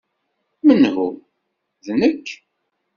Menhu?" "D nekk.